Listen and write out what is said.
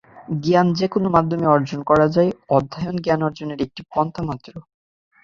জ্ঞান যেকোনো মাধ্যমেই অর্জন করা যায়, অধ্যয়ন জ্ঞানার্জনের একটি পন্থা মাত্র।